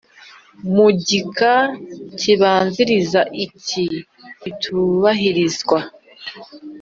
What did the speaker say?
Mu gika kibanziriza iki bitubahirizwa